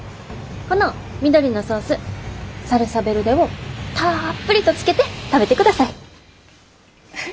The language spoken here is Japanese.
この緑のソースサルサ・ヴェルデをたっぷりとつけて食べてください。